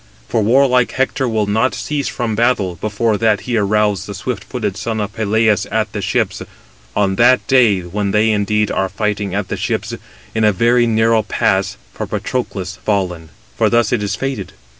For warlike Hector will not cease from battle before that he arouse the swift footed son of Peleus at the ships. On that day, when they indeed are fighting at the ships, in a very narrow pass, for Patroclus fallen. For thus is it fated.